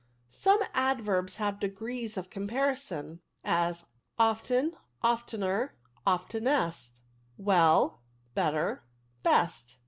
Some adverbs have degrees of comparison ; as, often, oftener, oftenest; well, better, best.